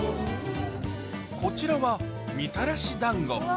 こちらはみたらし団子